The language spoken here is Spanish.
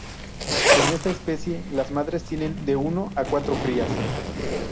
En esta especie las madres tienen de uno a cuatro crías.